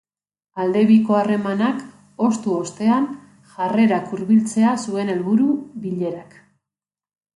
Aldebiko harremanak hoztu ostean jarrerak hurbiltzea zuen helburu bilerak.